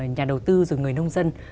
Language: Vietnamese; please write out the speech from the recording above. nhà đầu tư rồi người nông dân